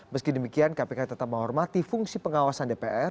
meski demikian kpk tetap menghormati fungsi pengawasan dpr